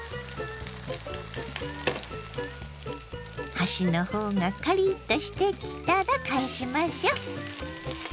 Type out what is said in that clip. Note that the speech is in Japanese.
端の方がカリッとしてきたら返しましょ。